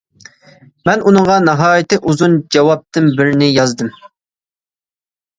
مەن ئۇنىڭغا ناھايىتى ئۇزۇن جاۋابتىن بىرنى يازدىم.